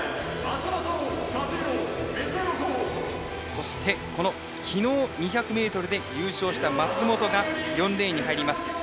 そして、昨日２００ｍで優勝した松元が４レーンに入ります。